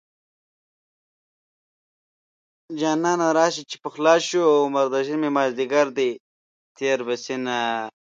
جانانه راشه چې پخلا شو عمر د ژمې مازديګر دی تېر به شينه